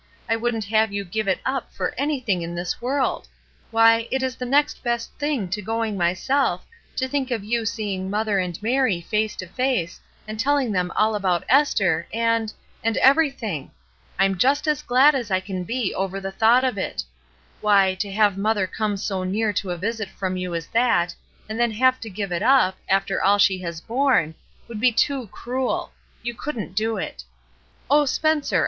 I wouldn't have you give it up for anything in this world! Why, it is the next best thing to going myself, to think of you seeing mother and Mary face to face and telling them all about Esther, and — and everything. I am just as glad as I can be over 336 ESTER RIED'S NAMESAKE the thought of it. Why, to have mother come so near to a visit from you as that, and then have to give it up, after all she has borne, would be too cruel ; you couldn't do it. Oh, Spencer